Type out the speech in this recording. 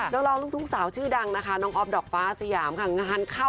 ดรลูกทุ่งสาวชื่อดังออฟดอกฟ้าอสยามค่ะ